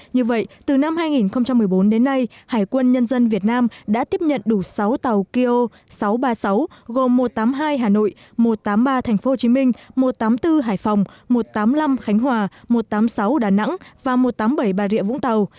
như vậy từ năm hai nghìn một mươi bốn đến nay hải quân nhân dân việt nam đã tiếp nhận đủ sáu tàu kyo sáu trăm ba mươi sáu gồm một trăm tám mươi hai hà nội một trăm tám mươi ba tp hcm một trăm tám mươi bốn hải phòng một trăm tám mươi năm khánh hòa một trăm tám mươi sáu đà nẵng và một trăm tám mươi bảy bà rịa vũng tàu